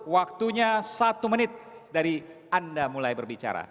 waktunya satu menit dari anda mulai berbicara